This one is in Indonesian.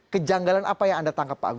kejanggalan apa yang anda tangkap pak agus